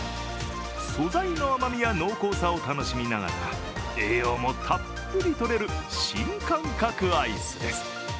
素材の甘みや濃厚さを楽しみながら栄養もたっぷり取れる新感覚アイスです。